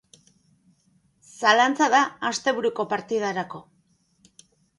Zalantza da asteburuko partidarako.